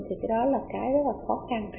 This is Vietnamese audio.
thì cái đó là cái rất là khó khăn